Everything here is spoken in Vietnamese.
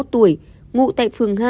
ba mươi một tuổi ngụ tại phường hai